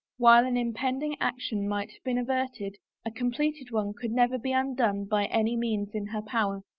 While an impending action might have been averted, a completed one could never be undone by any means in her power.